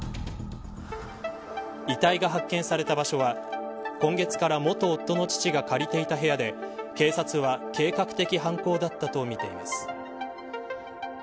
遺体が発見された場所は今月から元夫の父が借りていた部屋で警察は計画的犯行だったと見ています。